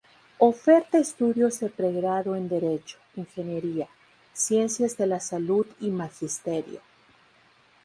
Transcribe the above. Oferta estudios de pregrado en derecho, ingeniería, ciencias de la salud y magisterio.